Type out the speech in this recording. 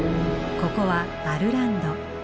ここはアルランド。